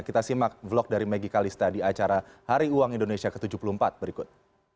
kita simak vlog dari megi kalista di acara hari uang indonesia ke tujuh puluh empat berikut